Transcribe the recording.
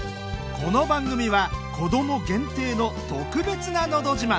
この番組はこども限定の特別な「のど自慢」。